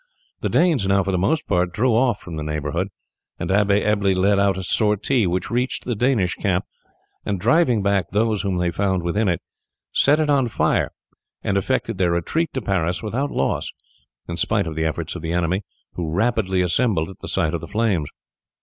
The Danes now for the most part drew off from the neighbourhood, and the Abbe Ebble led out a sortie, which reached the Danish camp, and driving back those whom they found within it, set it on fire and effected their retreat to Paris without loss, in spite of the efforts of the enemy, who rapidly assembled at the sight of the flames.